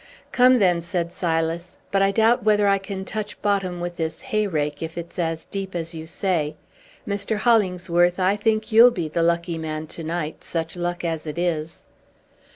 "Come, then," said Silas; "but I doubt whether I can touch bottom with this hay rake, if it's as deep as you say. Mr. Hollingsworth, I think you'll be the lucky man to night, such luck as it is."